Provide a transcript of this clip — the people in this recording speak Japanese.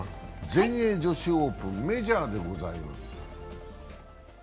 全英女子オープン、メジャーです。